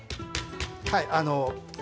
はい。